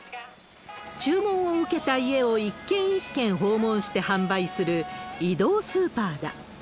注文を受けた家を一軒一軒訪問して販売する移動スーパーだ。